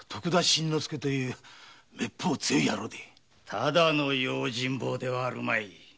ただの用心棒ではあるまい。